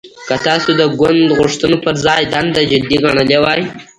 که تاسو د ګوند غوښتنو پر ځای دنده جدي ګڼلې وای